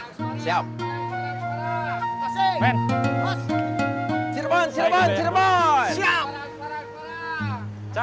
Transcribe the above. semarang semarang semarang